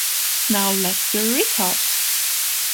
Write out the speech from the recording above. Now let's do a record!